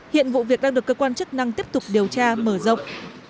hiện vụ việc đang được cơ quan chức năng tiếp tục điều tra mở rộng